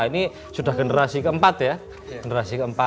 ini sudah generasi keempat ya